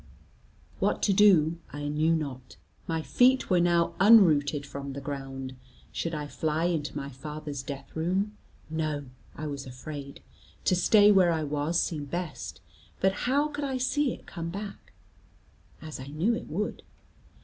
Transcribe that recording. What to do I knew not; my feet were now unrooted from the ground. Should I fly into my father's death room? No; I was afraid. To stay where I was seemed best, but how could I see it come back, as I knew it would?